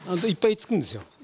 いっぱいつくんですよ。